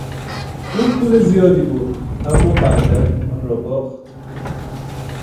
او پول زیادی برد اما بعدا آن را باخت.